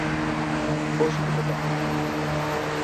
Hoxe celebramos...